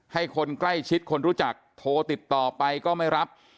ให้คนใกล้ชิดคนรู้จักโทรติดต่อไปก็ไม่รับ